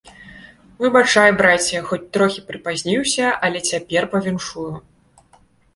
Выбачай, браце, хоць трохі прыпазніўся, але цяпер павіншую.